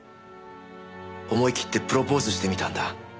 思い切ってプロポーズしてみたんだ。